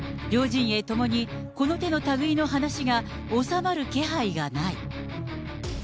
両陣営ともにこの手のたぐいの話が収まる気配がない。